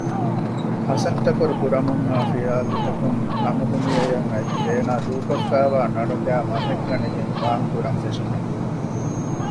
ހަސަންތަކުރު ކުރަމުންއައި ޚިޔާލުތަކުން ހަމަދުނިޔެއަށް އައީ އޭނާ ދޫކޮށްފައިވާ ނަނުގައި މަހެއްގަނެގެން ވާންކުރަންފެށުމުން